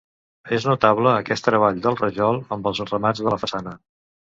És notable aquest treball del rajol amb els remats de la façana.